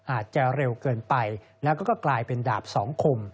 อาจจะเร็วเกินไปแล้วก็กลายเป็นดาบสองคม